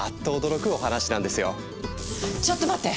ちょっと待って！